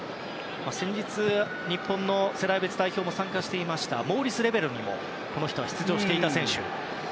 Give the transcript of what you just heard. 先日、日本の世代別代表も参加していました大会にもこの人は出場していた選手。